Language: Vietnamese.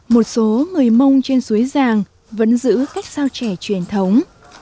một số người mông trên suối ràng vẫn giữ cách sao trè truyền thống